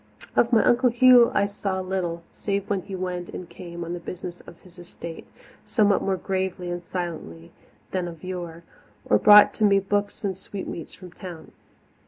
Of my Uncle Hugh I saw little, save when he went and came on the business of his estate, somewhat more gravely and silently than of yore, or brought to me books and sweetmeats from town.